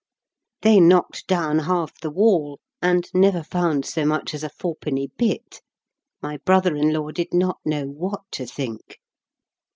They knocked down half the wall, and never found so much as a four penny bit. My brother in law did not know what to think.